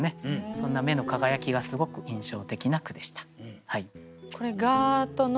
そんな目の輝きがすごく印象的な句でした。